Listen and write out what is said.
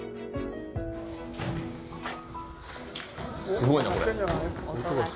すごいな、これ。